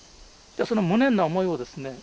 その無念な思いをですね